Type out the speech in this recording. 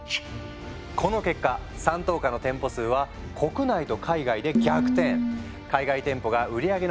この結果山頭火の店舗数は国内と海外で逆転。